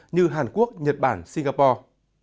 như hàn quốc nhật bản singapore